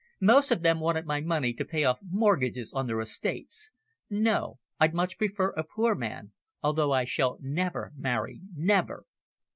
Most of them wanted my money to pay off mortgages on their estates. No, I'd much prefer a poor man although I shall never marry never."